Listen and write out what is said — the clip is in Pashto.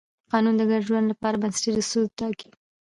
قانون د ګډ ژوند لپاره بنسټیز اصول ټاکي.